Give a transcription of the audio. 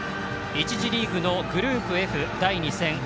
１次リーグのグループＦ、第２戦。